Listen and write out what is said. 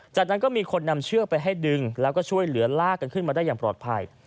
จากนั้นก็มีคนนำเชือกไปให้ดึงแล้วก็ช่วยเหลือลากกันขึ้นมาได้อย่างปลอดภัย